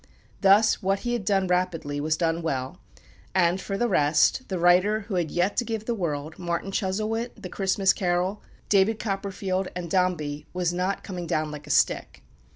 Thus what he had done rapidly was done well; and, for the rest, the writer, who had yet to give the world "Martin Chuzzlewit," "The Christmas Carol," "David Copperfield," and "Dombey," was not "coming down like a stick."